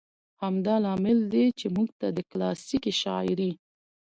همدا لامل دى، چې موږ ته د کلاسيکې شاعرۍ